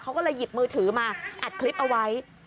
เขาก็เลยหยิบมือถือมาอัดคลิปเอาไว้